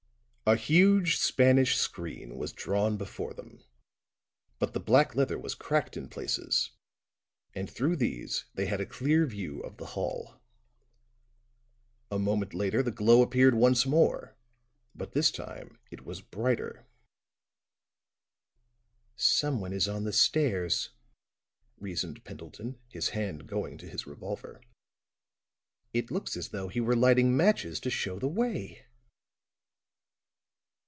A huge Spanish screen was drawn before them; but the black leather was cracked in places; and through these they had a clear view of the hall. A moment later the glow appeared once more; but this time it was brighter. "Someone is on the stairs," reasoned Pendleton, his hand going to his revolver. "It looks as though he were lighting matches to show the way."